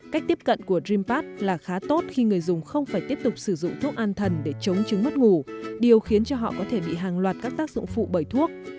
cách tiếp cận của dreampad là khá tốt khi người dùng không phải tiếp tục sử dụng thuốc an thần để chống chứng mất ngủ điều khiến cho họ có thể bị hàng loạt các tác dụng phụ bởi thuốc